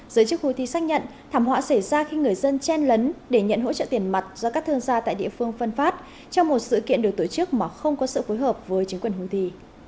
giới chức houthi xác nhận thảm họa xảy ra khi người dân chen lấn để nhận hỗ trợ tiền mặt do các thương gia tại địa phương phân phát trong một sự kiện được tổ chức mà không có sự phối hợp với chính quyền houthi